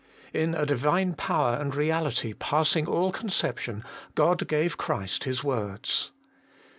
In a Divine power and reality passing all conception, God gave Christ His words.